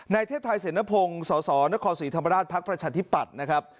ในเทพไทยเสนพงสสนศธรรมดาลพภรรชาธิปัตย์นะครับ